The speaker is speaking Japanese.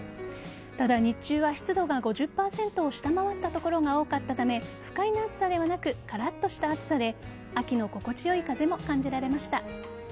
ただ、日中は湿度が５０％を下回った所が多かったため不快な暑さではなくカラッとした暑さで秋の心地よい風も感じられました。